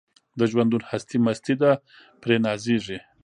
د ژوندون هستي مستي ده پرې نازیږي